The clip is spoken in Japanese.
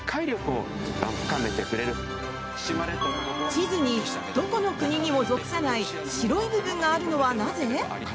地図にどこの国にも属さない白い部分があるのはなぜ？